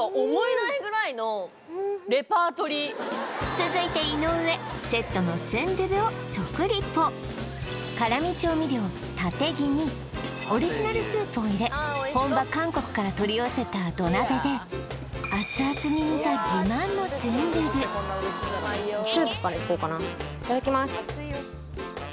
続いて井上セットのスンドゥブを食リポにオリジナルスープを入れ本場韓国から取り寄せた土鍋で熱々に煮たスープからいこうかないただきます